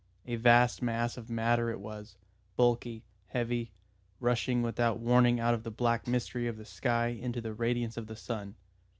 A vast mass of matter it was, bulky, heavy, rushing without warning out of the black mystery of the sky into the radiance of the sun.